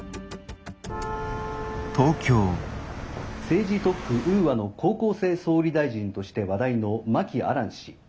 「政治特区ウーアの高校生総理大臣として話題の真木亜蘭氏。